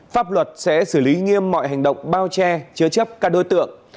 pháp luật sẽ xử lý nghiêm mọi hành động bao che chứa chấp các đối tượng